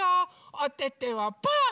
おててはパー！